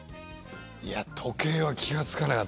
いや時計は気が付かなかったですね。